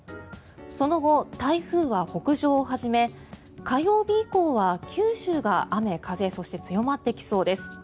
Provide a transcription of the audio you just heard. その後、台風は北上を始め火曜日以降は九州が雨風、強まってきそうです。